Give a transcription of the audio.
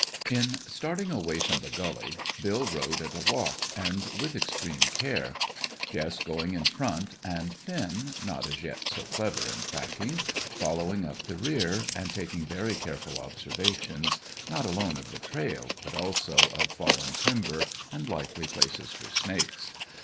In starting away from the gully, Bill rode at a walk, and with extreme care, Jess going in front, and Finn, not as yet so clever in tracking, following up the rear, and taking very careful observations, not alone of the trail, but also of fallen timber and likely places for snakes.